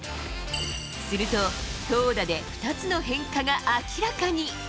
すると投打で２つの変化が明らかに。